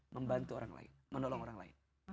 membantu orang lain menolong orang lain